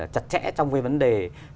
chặt chẽ trong cái vấn đề